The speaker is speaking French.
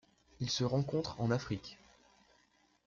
Il se rencontre en Afrique.